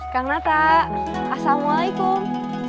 kang nata assalamualaikum